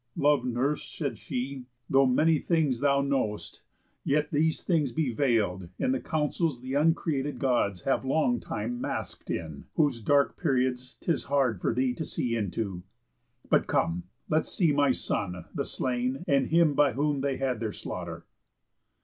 "Lov'd nurse," said she, "Though many things thou know'st, yet these things be Veil'd in the counsels th' uncreated Gods Have long time mask'd in; whose dark periods 'Tis hard for thee to see into. But come, Let's see my son, the slain, and him by whom They had their slaughter."